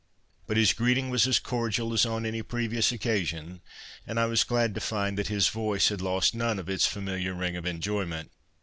But his greeting was as cordial as on any previous occasion, and I was glad to find that his voice had lost none of its familiar ring of enjoyment.